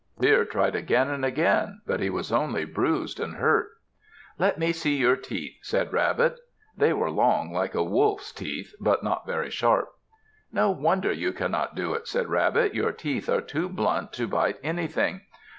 Deer tried again and again, but he was only bruised and hurt. "Let me see your teeth," said Rabbit. They were long like a wolf's teeth but not very sharp. "No wonder you cannot do it," said Rabbit. "Your teeth are too blunt to bite anything.